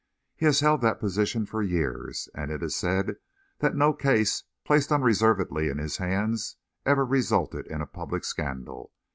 He has held that position for years, and it is said that no case placed unreservedly in his hands ever resulted in a public scandal.